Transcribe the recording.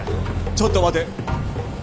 ちょっと待て。